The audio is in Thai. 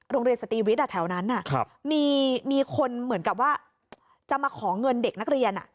สตรีวิทย์แถวนั้นมีคนเหมือนกับว่าจะมาขอเงินเด็กนักเรียน